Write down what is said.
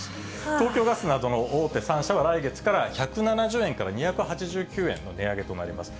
東京ガスなどの大手３社は、来月から１７０円から２８９円の値上げとなります。